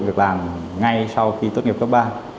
được làm ngay sau khi tốt nghiệp cấp ba